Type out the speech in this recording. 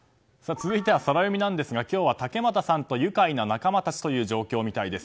続いてはソラよみなんですが今日は竹俣さんとゆかいな仲間たちという状況みたいです。